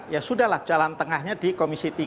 ya sudah lah jalan tengahnya di komisi tiga